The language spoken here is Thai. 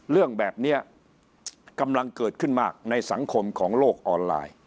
เรื่องแบบนี้กำลังเกิดขึ้นมากในสังคมของโลกออนไลน์